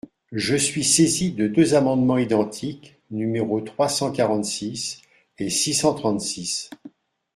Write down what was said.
Je suis saisi de deux amendements identiques, numéros trois cent quarante-six et six cent trente-six.